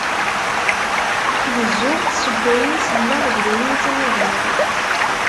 Gezzuɣ-tt seg wayen i selleɣ d wayen i ttnadiɣ.